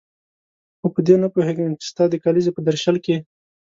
خو په دې نه پوهېږم چې ستا د کلیزې په درشل کې.